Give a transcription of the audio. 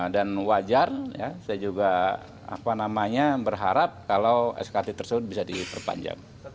dan wajar saya juga berharap kalau skt tersebut bisa diperpanjang